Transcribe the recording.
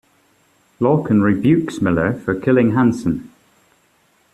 Locken rebukes Miller for killing Hansen.